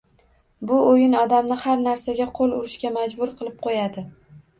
Bu oʻyin odamni har narsaga qoʻl urishga majbur qilib qoʻyadi